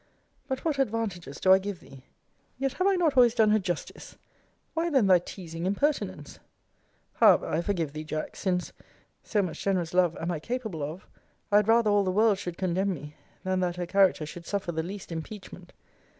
But what advantages do I give thee? Yet have I not always done her justice? Why then thy teasing impertinence? However, I forgive thee, Jack since (so much generous love am I capable of!) I had rather all the world should condemn me, than that her character should suffer the least impeachment.